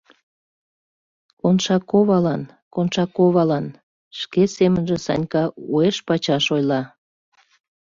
«Коншаковалан, Коншаковалан...» — шке семынже Санька уэш- пачаш ойла.